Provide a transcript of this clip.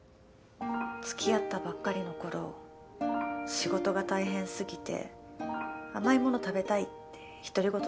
付き合ったばっかりの頃仕事が大変すぎて甘いもの食べたいって独り言でつぶやいたの。